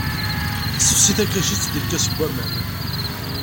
Sefsi takacit deg lkas n waman.